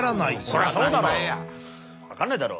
そりゃそうだろ。